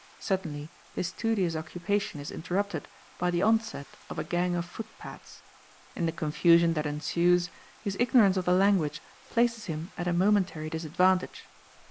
Suddenly his studious occupation is interrupted by the onset of a gang of footpads. In the confusion that ensues, his ignorance of the language places him at a momentary disadvantage.